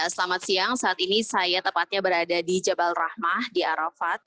selamat siang saat ini saya tepatnya berada di jabal rahmah di arafat